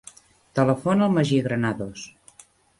Telefona al Magí Granados.